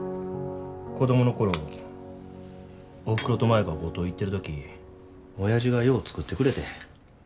子供の頃おふくろと舞が五島行ってる時おやじがよう作ってくれてん。